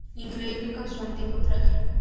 Increíble con su antiguo traje.